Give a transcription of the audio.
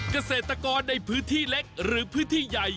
เกษตรกรในพื้นที่เล็กหรือพื้นที่ใหญ่